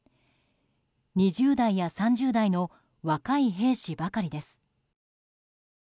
２０代や３０代の若い兵士ばかりです。